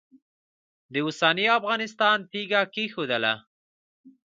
د اوسني افغانستان تیږه کښېښودله.